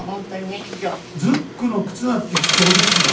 ズックの靴だって貴重ですよ。